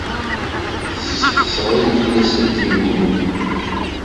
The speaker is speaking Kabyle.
Tessexṣer-iyi aselkim-inu.